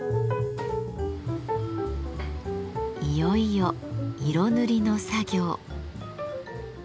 いよいよ色塗りの作業。